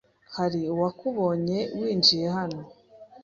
Hari uwakubonye winjiye hano?